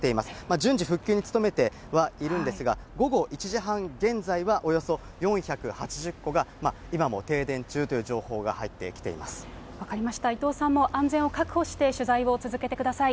順次復旧に努めてはいるんですが、午後１時半現在はおよそ４８０戸が今も停電中という情報が入って分かりました、伊藤さんも安全を確保して取材を続けてください。